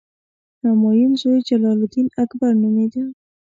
همایون زوی جلال الدین اکبر نومېده.